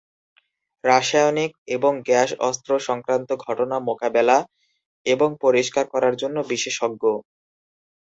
রাসায়নিক এবং গ্যাস অস্ত্র সংক্রান্ত ঘটনা মোকাবেলা এবং পরিষ্কার করার জন্য বিশেষজ্ঞ।